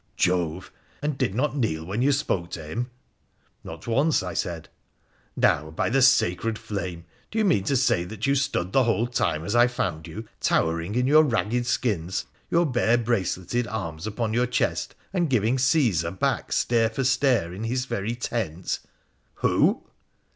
' Jove ! And did not kneel while you spoke to him ?'' Not once,' I said. ' Now, by the Sacred Flame ! do you mean to say you stood the whole time as I found you, towering in your ragged skins, your bare braceleted arms upon your chest, and giving Cassar back stare for stare in his very tent ?< Who